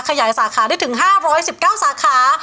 ขยายสาขาได้ถึง๕๑๙สาขา